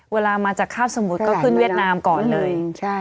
เวลามันก็ขึ้นเวียดนามก่อนเลย